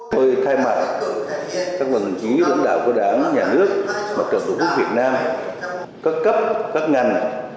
tôi thay mặt các lãnh đạo của đảng nhà nước và tổ quốc việt nam các cấp các ngành